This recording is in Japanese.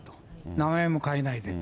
名前を変えないでと。